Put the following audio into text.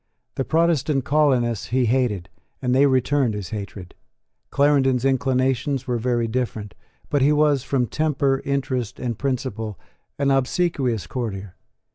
The Protestant colonists he hated; and they returned his hatred. Clarendon's inclinations were very different: but he was, from temper, interest, and principle, an obsequious courtier.